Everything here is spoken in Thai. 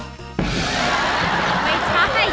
ไม่ใช่